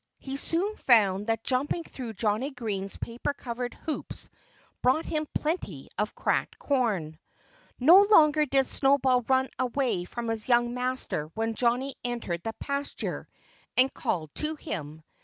He soon found that jumping through Johnnie Green's paper covered hoops brought him plenty of cracked corn. No longer did Snowball run away from his young master when Johnnie entered the pasture and called to him.